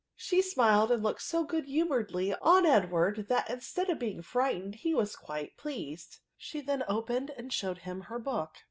She smiled and looked so good humotiredlj on Edward, that instead of beiug frightened he was quite pleased* She then opened and showed him her book.